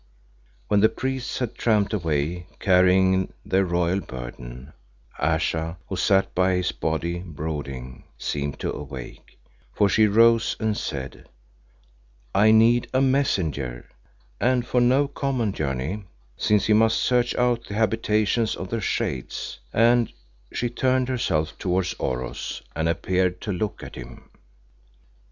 When the priests had tramped away carrying their royal burden, Ayesha, who sat by his body brooding, seemed to awake, for she rose and said "I need a messenger, and for no common journey, since he must search out the habitations of the Shades," and she turned herself towards Oros and appeared to look at him.